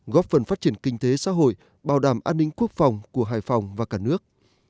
góp phần phát triển kinh tế xã hội bảo đảm an ninh quốc phòng của hải phòng và cả nước